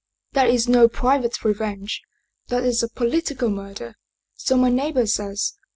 * That is no private revenge; that is a political murder, so my neighbor says.